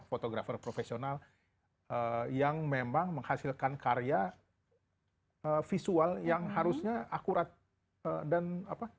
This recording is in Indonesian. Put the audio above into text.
fotografer profesional yang memang menghasilkan karya visual yang harusnya akurat dan apa